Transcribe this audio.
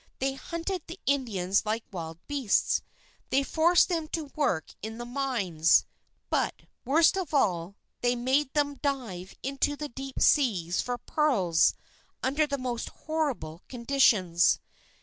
They hunted the Indians like wild beasts. They forced them to work in the mines. But, worst of all, they made them dive into the deep sea for pearls, under the most horrible conditions.